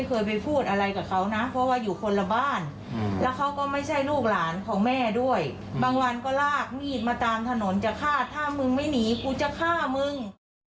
เคยไปพูดอะไรกับเขานะเพราะว่าอยู่คนละบ้านแล้วเขาก็ไม่ใช่ลูกหลานของแม่ด้วยบางวันก็ลากมีดมาตามถนนจะฆ่าถ้ามึงไม่หนีกูจะฆ่ามึง